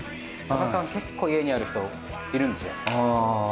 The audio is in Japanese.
サバ缶結構家にある人いるんですよ。